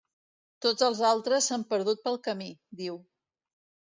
“Tots els altres s’han perdut pel camí”, diu.